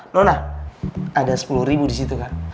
nona ada sepuluh ribu di situ kan